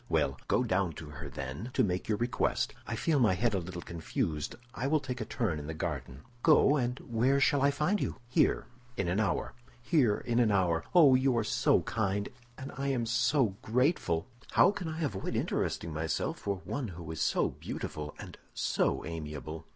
"Well, go down to her, then, to make your request. I feel my head a little confused; I will take a turn in the garden." "Go; and where shall I find you?" "Here, in an hour." "Here, in an hour. Oh, you are so kind, and I am so grateful!" "How can I avoid interesting myself for one who is so beautiful and so amiable?